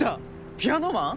ピアノマン！？